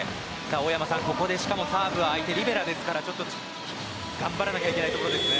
大山さん、しかもサーブは相手リベラですからちょっと頑張らなきゃいけないところですね。